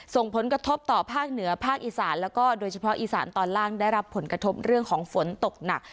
ส่งผลกระทบต่อภาคเหนือภาคอีสานแล้วก็โดยเฉพาะอีสานตอนล่างได้รับผลกระทบเรื่องของฝนตกหนัก